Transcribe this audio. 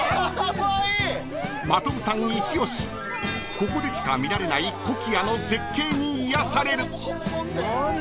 ここでしか見られないコキアの絶景に癒やされる］